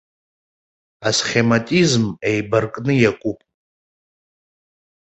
Асхематизм еибаркны иакуп.